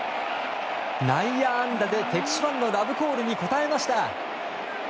内野安打で、敵地ファンのラブコールに応えました。